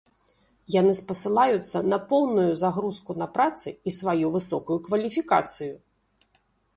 Яны спасылаюцца на поўную загрузку на працы і сваю высокую кваліфікацыю.